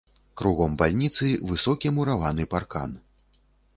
Кругом бальніцы высокі мураваны паркан.